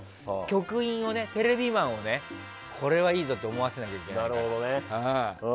局員を、テレビマンをこれはいいぞと思わせないといけないから。